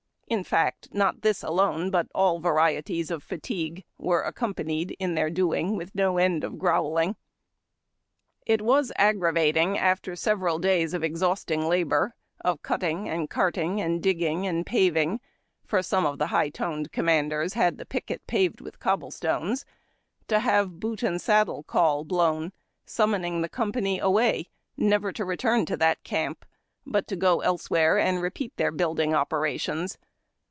In fact, not this alone but all varieties of fatigue were accompanied in their doing with no end of growling. It was aggravating after several days of exhausting labor, of cutting and carting and digging and paving, — foi* some of the "liigli toned " commanders had the picket paved with cobble stones, — to have boot and saddle call blown, summoning the company away, never to return to that camp, but to go elsewhere and repeat their building opera tions.